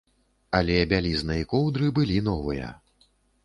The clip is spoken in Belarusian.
Але бялізна і коўдры былі новыя.